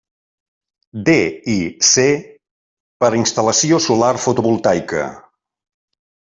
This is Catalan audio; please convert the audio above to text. DIC per a instal·lació solar fotovoltaica.